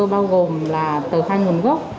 bao gồm là tờ khai nguồn gốc